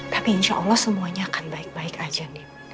tapi insya allah semuanya akan baik baik aja